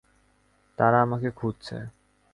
তারা আমাকে খুঁজছে।